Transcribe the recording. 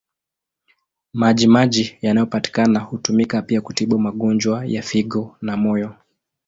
Maji maji yanayopatikana hutumika pia kutibu magonjwa ya figo na moyo.